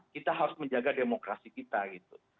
kita harus menjaga demokrasi kita gitu